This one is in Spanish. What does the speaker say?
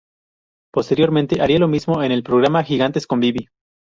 Posteriormente haría lo mismo en el programa "Gigantes con Vivi".